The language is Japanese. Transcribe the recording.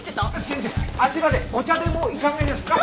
先生あちらでお茶でもいかがですか？